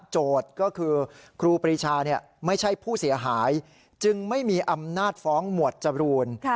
ก็คือครูปรีชาไม่ใช่ผู้เสียหายจึงไม่มีอำนาจฟ้องหมวดจรูน